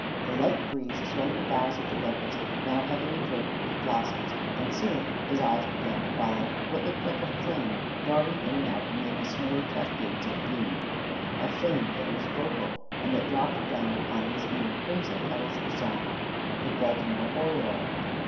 The light breeze swung the boughs of the locust, now heavily draped with blossoms; and soon his eyes began to follow what looked like a flame darting in and out amid the snowy cascades of bloom a flame that was vocal and that dropped down upon his ear crimson petals of song the Baltimore oriole.